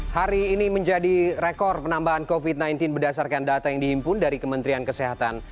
hari ini menjadi rekor penambahan covid sembilan belas berdasarkan data yang dihimpun dari kementerian kesehatan